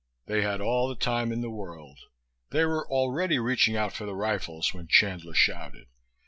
They had all the time in the world. They were already reaching out for the rifles when Chandler shouted.